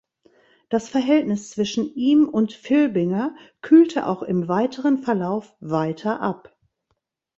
Das Verhältnis zwischen ihm und Filbinger kühlte auch im weiteren Verlauf weiter ab.